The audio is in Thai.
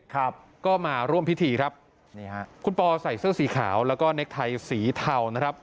ครับก็มาร่วมพิธีครับนี่ฮะคุณปอใส่เสื้อสีขาวแล้วก็เน็กไทยสีเทานะครับ